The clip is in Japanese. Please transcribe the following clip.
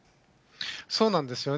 そうなんですよね。